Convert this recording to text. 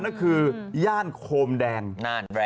ก็คือย่านโคมแดง